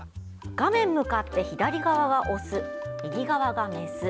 画面向かって左側がオス、右側がメス。